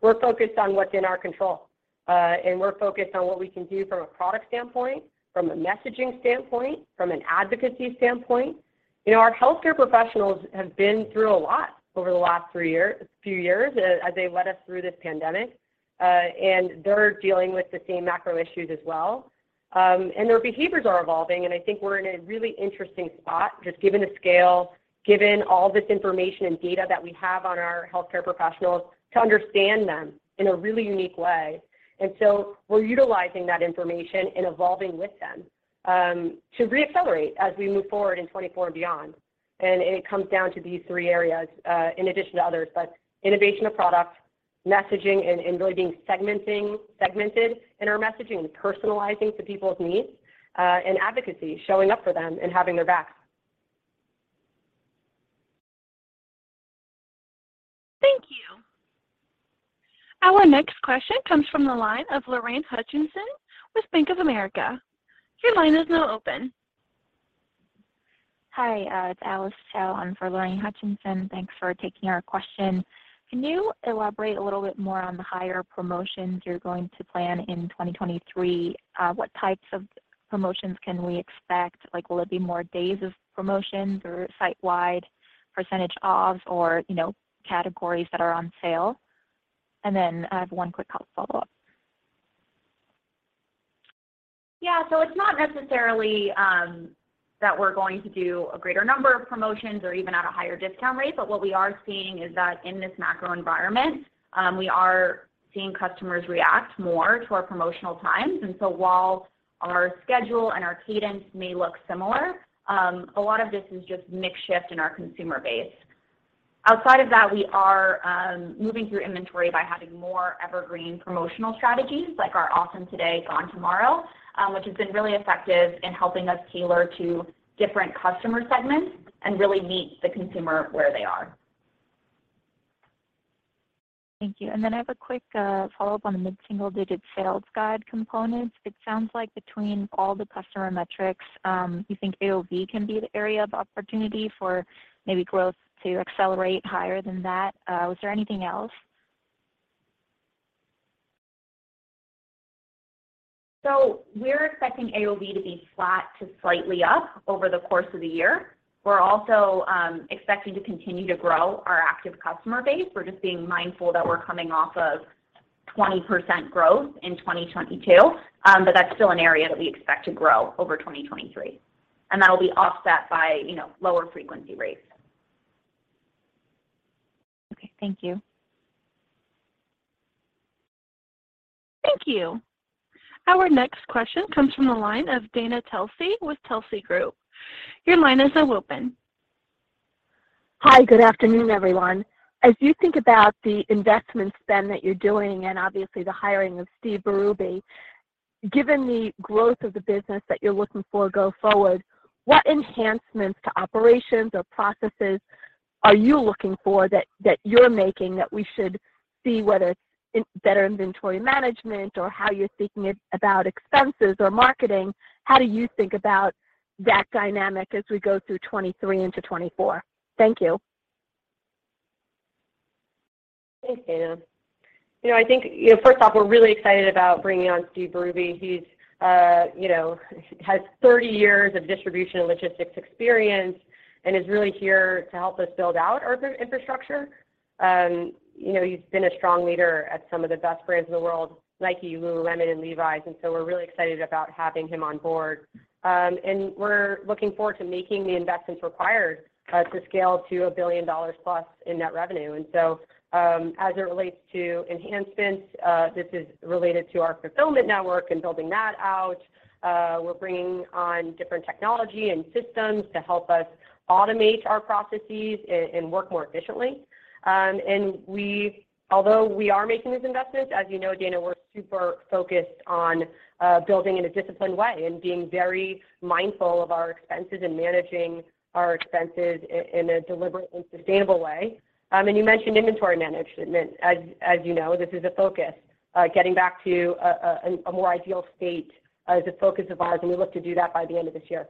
We're focused on what's in our control. We're focused on what we can do from a product standpoint, from a messaging standpoint, from an advocacy standpoint. You know, our healthcare professionals have been through a lot over the last few years as they led us through this pandemic, they're dealing with the same macro issues as well. Their behaviors are evolving, I think we're in a really interesting spot, just given the scale, given all this information and data that we have on our healthcare professionals to understand them in a really unique way. We're utilizing that information and evolving with them to re-accelerate as we move forward in 2024 and beyond. It comes down to these three areas, in addition to others, but innovation of product, messaging, and really being segmented in our messaging and personalizing to people's needs, and advocacy, showing up for them and having their backs. Thank you. Our next question comes from the line of Lorraine Hutchinson with Bank of America. Your line is now open. Hi, it's Alice Chao on for Lorraine Hutchinson. Thanks for taking our question. Can you elaborate a little bit more on the higher promotions you're going to plan in 2023? What types of promotions can we expect? Like, will it be more days of promotions, or site-wide percentage offs or, you know, categories that are on sale? I have one quick follow-up. It's not necessarily that we're going to do a greater number of promotions or even at a higher discount rate, but what we are seeing is that in this macro environment, we are seeing customers react more to our promotional times. While our schedule and our cadence may look similar, a lot of this is just mix shift in our consumer base. Outside of that, we are moving through inventory by having more evergreen promotional strategies like our Awesome Today, Gone Tomorrow, which has been really effective in helping us tailor to different customer segments and really meet the consumer where they are. Thank you. I have a quick follow-up on the mid-single-digit sales guide components. It sounds like between all the customer metrics, you think AOV can be the area of opportunity for maybe growth to accelerate higher than that. Was there anything else? We're expecting AOV to be flat to slightly up over the course of the year. We're also expecting to continue to grow our active customer base. We're just being mindful that we're coming off of 20% growth in 2022, but that's still an area that we expect to grow over 2023. That'll be offset by, you know, lower frequency rates. Okay. Thank you. Thank you. Our next question comes from the line of Dana Telsey with Telsey Group. Your line is now open. Hi, good afternoon, everyone. As you think about the investment spend that you're doing and obviously the hiring of Steve Berube, given the growth of the business that you're looking for go forward, what enhancements to operations or processes are you looking for that you're making that we should see whether it's in better inventory management or how you're thinking about expenses or marketing? How do you think about that dynamic as we go through 2023 into 2024? Thank you. Thanks, Dana. I think, you know, first off, we're really excited about bringing on Steve Berube. He's has 30 years of distribution and logistics experience and is really here to help us build out our infrastructure. He's been a strong leader at some of the best brands in the world, Nike, Lululemon, and Levi's. We're really excited about having him on board. We're looking forward to making the investments required to scale to a $1 billion plus in net revenue. As it relates to enhancements, this is related to our fulfillment network and building that out. We're bringing on different technology and systems to help us automate our processes and work more efficiently. Although we are making these investments, as you know, Dana, we're super focused on building in a disciplined way and being very mindful of our expenses and managing our expenses in a deliberate and sustainable way. You mentioned inventory management. As, as you know, this is a focus. Getting back to a more ideal state is a focus of ours, and we look to do that by the end of this year.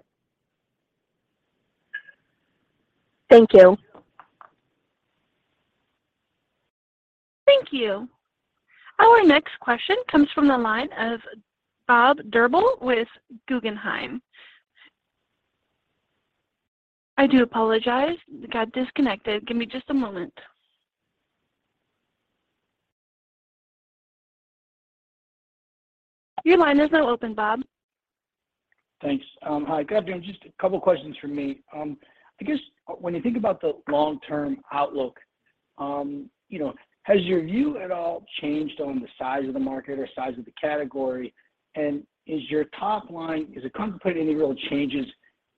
Thank you. Thank you. Our next question comes from the line of Robert Drbul with Guggenheim. I do apologize. It got disconnected. Give me just a moment. Your line is now open, Bob. Thanks. Hi, good afternoon. Just a couple questions from me. I guess when you think about the long-term outlook, you know, has your view at all changed on the size of the market or size of the category? Is your top line, is it contemplating any real changes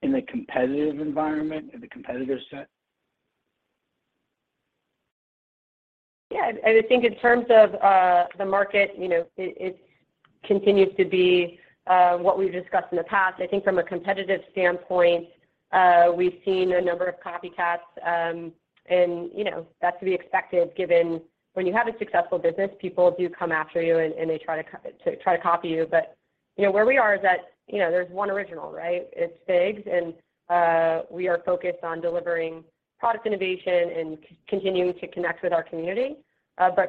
in the competitive environment or the competitive set? Yeah. I think in terms of the market, you know, it continues to be what we've discussed in the past. I think from a competitive standpoint, we've seen a number of copycats, and, you know, that's to be expected given when you have a successful business, people do come after you, and they try to copy you. You know, where we are is that, you know, there's one original, right? It's FIGS, and we are focused on delivering product innovation and continuing to connect with our community.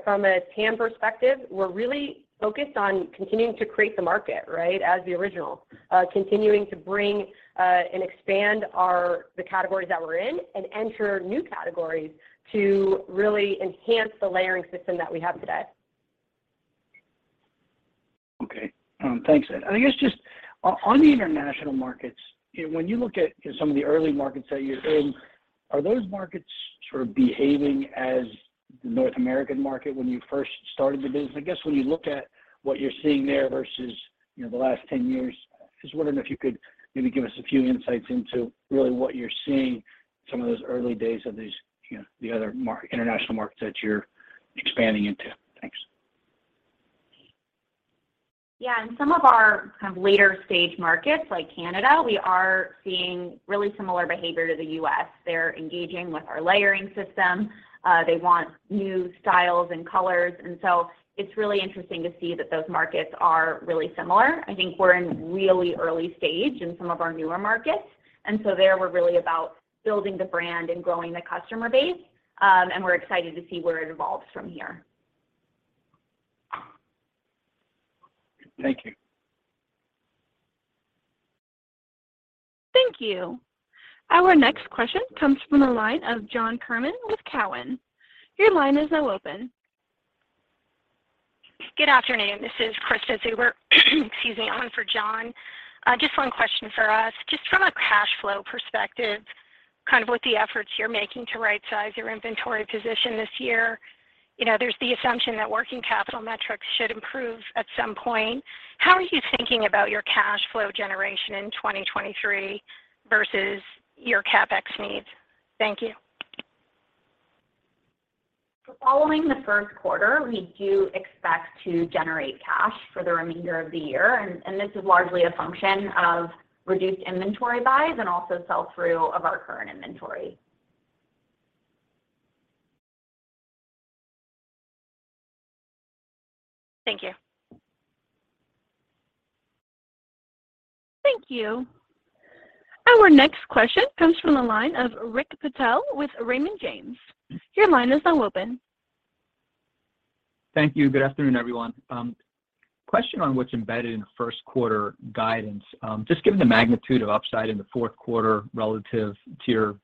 From a TAM perspective, we're really focused on continuing to create the market, right, as the original, continuing to bring and expand the categories that we're in and enter new categories to really enhance the layering system that we have today. Thanks. I guess just on the international markets, when you look at some of the early markets that you're in, are those markets sort of behaving as the North American market when you first started the business? I guess when you look at what you're seeing there versus, you know, the last 10 years, I just wondering if you could maybe give us a few insights into really what you're seeing some of those early days of these, you know, the other international markets that you're expanding into. Thanks. Yeah. In some of our kind of later stage markets like Canada, we are seeing really similar behavior to the US. They're engaging with our layering system, they want new styles and colors. It's really interesting to see that those markets are really similar. I think we're in really early stage in some of our newer markets, there we're really about building the brand and growing the customer base, and we're excited to see where it evolves from here. Thank you. Thank you. Our next question comes from the line of John Kernan with Cowen. Your line is now open. Good afternoon. This is Krista Zuber excuse me, on for John. Just one question for us. Just from a cash flow perspective, kind of with the efforts you're making to rightsize your inventory position this year, you know, there's the assumption that working capital metrics should improve at some point. How are you thinking about your cash flow generation in 2023 versus your CapEx needs? Thank you. Following the first quarter, we do expect to generate cash for the remainder of the year, and this is largely a function of reduced inventory buys and also sell through of our current inventory. Thank you. Thank you. Our next question comes from the line of Rakesh Patel with Raymond James. Your line is now open. Thank you. Good afternoon, everyone. Question on what's embedded in first quarter guidance. Just given the magnitude of upside in the fourth quarter relative to your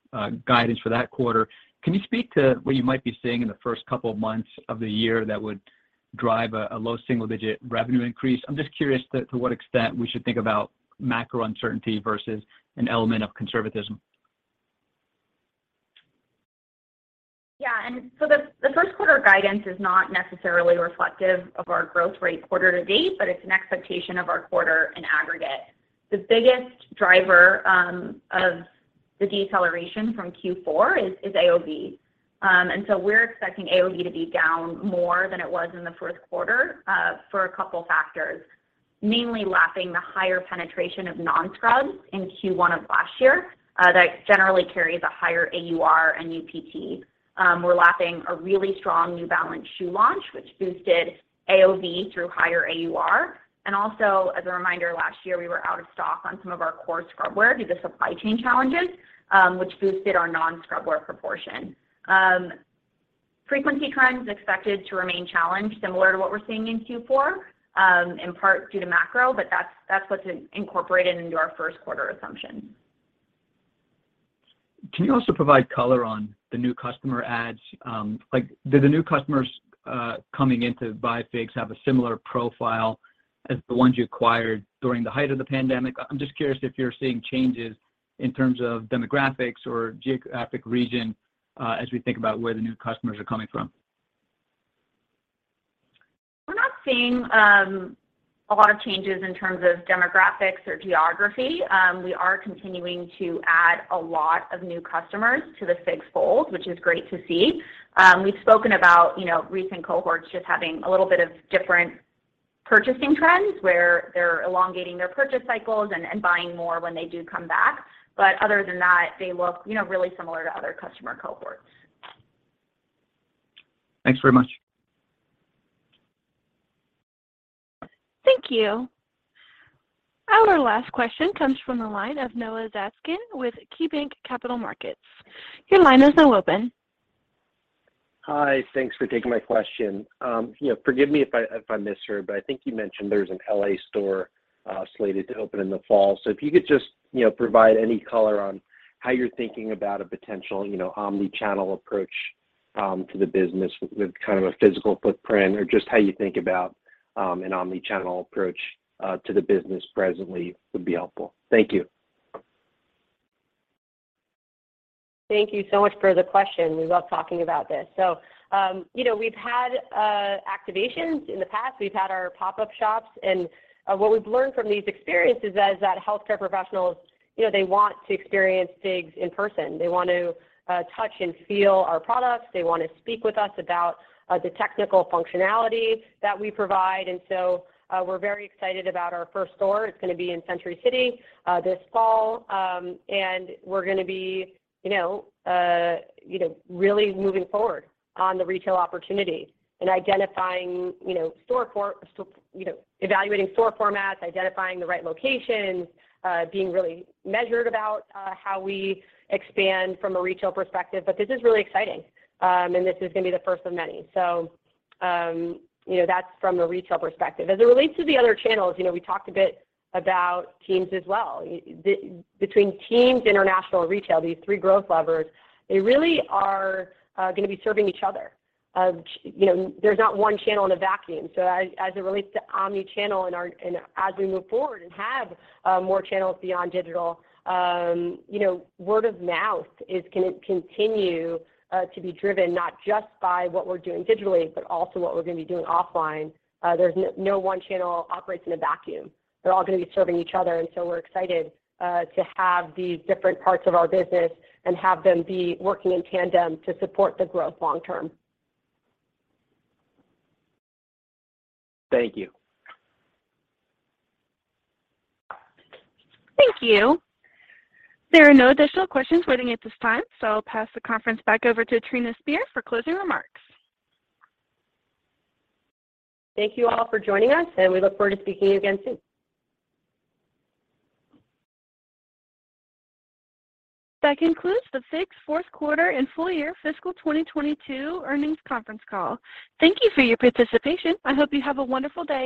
guidance for that quarter, can you speak to what you might be seeing in the first couple of months of the year that would drive a low single digit revenue increase? I'm just curious to what extent we should think about macro uncertainty versus an element of conservatism. Yeah. The, the first quarter guidance is not necessarily reflective of our growth rate quarter to date, but it's an expectation of our quarter in aggregate. The biggest driver of the deceleration from Q four is AOV. We're expecting AOV to be down more than it was in the fourth quarter, for a couple factors, mainly lapping the higher penetration of non-scrubs in Q one of last year, that generally carries a higher AUR and UPT. We're lapping a really strong New Balance shoe launch, which boosted AOV through higher AUR. Also as a reminder, last year we were out of stock on some of our core scrub wear due to supply chain challenges, which boosted our non-scrub wear proportion. Frequency trends expected to remain challenged similar to what we're seeing in Q4, in part due to macro, but that's what's incorporated into our first quarter assumption. Can you also provide color on the new customer adds? Like do the new customers coming in to buy FIGS have a similar profile as the ones you acquired during the height of the pandemic? I'm just curious if you're seeing changes in terms of demographics or geographic region as we think about where the new customers are coming from. We're not seeing a lot of changes in terms of demographics or geography. We are continuing to add a lot of new customers to the FIGS fold, which is great to see. We've spoken about, you know, recent cohorts just having a little bit of different purchasing trends, where they're elongating their purchase cycles and buying more when they do come back. Other than that, they look, you know, really similar to other customer cohorts. Thanks very much. Thank you. Our last question comes from the line of Noah Zatzkin with KeyBanc Capital Markets. Your line is now open. Hi. Thanks for taking my question. you know, forgive me if I, if I missed here, but I think you mentioned there's an L.A. store, slated to open in the fall. If you could just, you know, provide any color on how you're thinking about a potential, you know, omni-channel approach, to the business with kind of a physical footprint or just how you think about, an omni-channel approach, to the business presently would be helpful. Thank you. Thank you so much for the question. We love talking about this. You know, we've had activations in the past. We've had our pop-up shops, and what we've learned from these experiences is that healthcare professionals, you know, they want to experience FIGS in person. They want to touch and feel our products. They wanna speak with us about the technical functionality that we provide, and so, we're very excited about our first store. It's gonna be in Century City this fall. We're gonna be, you know, really moving forward on the retail opportunity and identifying, you know, evaluating store formats, identifying the right locations, being really measured about how we expand from a retail perspective. This is really exciting. This is gonna be the first of many. You know, that's from a retail perspective. As it relates to the other channels, you know, we talked a bit about teams as well. Between teams, international, retail, these three growth levers, they really are, gonna be serving each other. You know, there's not one channel in a vacuum. As it relates to omni-channel as we move forward and have, more channels beyond digital, you know, word of mouth is gonna continue, to be driven not just by what we're doing digitally, but also what we're gonna be doing offline. There's no one channel operates in a vacuum. They're all gonna be serving each other, and so we're excited to have these different parts of our business and have them be working in tandem to support the growth long term. Thank you. Thank you. There are no additional questions waiting at this time, so I'll pass the conference back over to Trina Spear for closing remarks. Thank you all for joining us, and we look forward to speaking again soon. That concludes the FIGS fourth quarter and full year fiscal 2022 earnings conference call. Thank you for your participation. I hope you have a wonderful day.